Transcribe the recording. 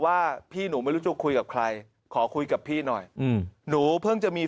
ว่าพี่หนูไม่รู้จะคุยกับใครขอคุยกับพี่หน่อยอืมหนูเพิ่งจะมี